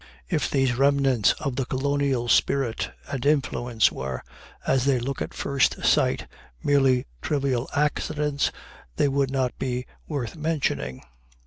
If these remnants of the colonial spirit and influence were, as they look at first sight, merely trivial accidents, they would not be worth mentioning.